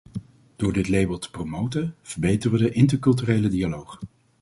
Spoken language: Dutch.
Door dit label te promoten, verbeteren we de interculturele dialoog.